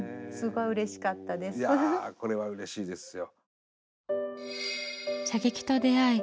いやこれはうれしいですよ。